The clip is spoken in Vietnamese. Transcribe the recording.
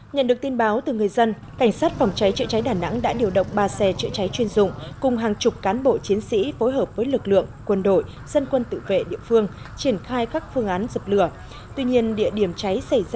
nhận được tin báo từ người dân cảnh sát phòng cháy chữa cháy đà nẵng đã điều động ba xe chữa cháy chuyên dụng cùng hàng chục cán bộ chiến sĩ phối hợp với lực lượng quân đội dân quân tự vệ địa phương triển khai các phương án dập lửa